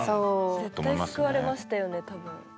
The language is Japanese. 絶対救われましたよね多分。